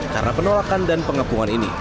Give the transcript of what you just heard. karena penolakan dan pengepungan ini